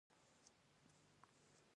څنګه کولی شم د کور لپاره صابن جوړ کړم